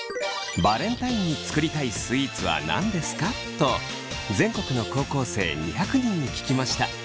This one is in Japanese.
「バレンタインに作りたいスイーツは何ですか？」と全国の高校生２００人に聞きました。